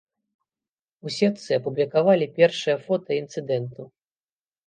У сетцы апублікавалі першыя фота інцыдэнту.